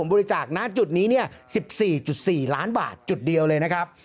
บริจาคณจุดนี้๑๔๔ล้านบาทจุดเดียวเลยนะครับ